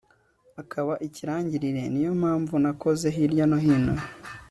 akaba ikirangirire. ni yo mpamvu nakoze hirya no hino